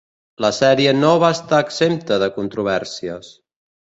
La sèrie no va estar exempta de controvèrsies.